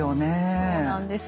そうなんです。